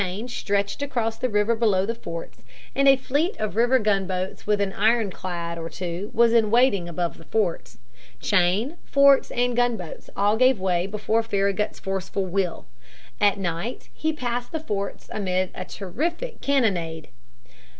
A great chain stretched across the river below the forts, and a fleet of river gunboats with an ironclad or two was in waiting above the forts. Chain, forts, and gunboats all gave way before Farragut's forceful will. At night he passed the forts amid a terrific cannonade.